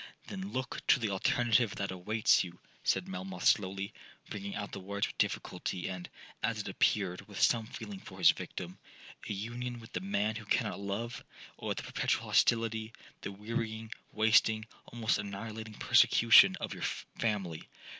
'Then look to the alternative that awaits you!' said Melmoth slowly, bringing out the words with difficulty, and, as it appeared, with some feeling for his victim; 'a union with the man who cannot love,—or the perpetual hostility, the wearying, wasting, almost annihilating persecution of your family!